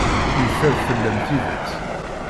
Yeffer fell-am tidet.